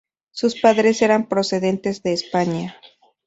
Sus padres eran procedentes de España.